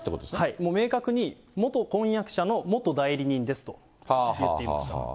もう明確に、元婚約者の元代理人ですと言っていました。